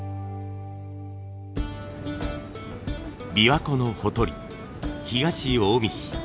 琵琶湖のほとり東近江市。